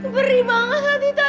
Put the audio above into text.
beri banget hati hati